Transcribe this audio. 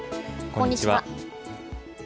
こんにちは。